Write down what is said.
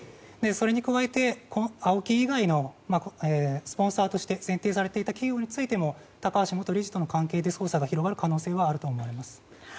それに加えてＡＯＫＩ以外のスポンサーとして契約されていた企業についても高橋元理事との関係で捜査が広がる可能性があると思います。